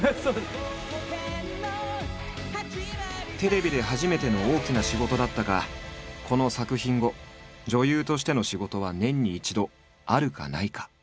テレビで初めての大きな仕事だったがこの作品後女優としての仕事は年に一度あるかないか。